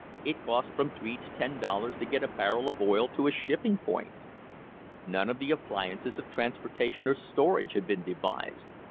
It cost from three to ten dollars to get a barrel of oil to a shipping point. None of the appliances of transpor tation or storage had been devised.